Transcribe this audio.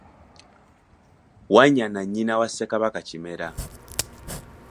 Wanyana nnyina wa Ssekabaka Kimera .